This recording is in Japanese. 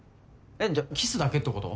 じゃあキスだけってこと？